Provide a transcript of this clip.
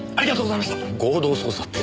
合同捜査って。